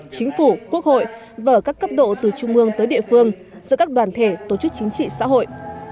chính phủ quốc hội và ở các cấp độ từ trung mương tới địa phương giữa các đoàn thể tổ chức chính trị xã hội